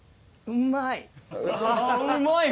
うまい。